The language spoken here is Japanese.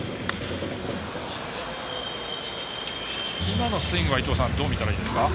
今のスイングはどう見たらいいですか。